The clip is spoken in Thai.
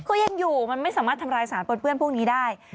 ก็ยังอยู่มันไม่สามารถทำลายสารปนเปื้อนพวกนี้ได้